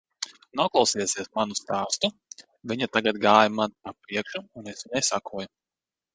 Noklausījusies manu stāstu, viņa tagad gāja man pa priekšu un es viņai sekoju.